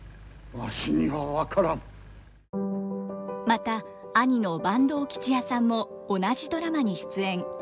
また兄の坂東吉弥さんも同じドラマに出演。